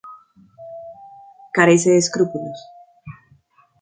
Carece de escrúpulos.